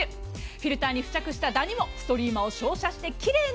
フィルターに付着したダニもストリーマを照射して奇麗に。